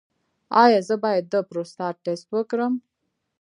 ایا زه باید د پروستات ټسټ وکړم؟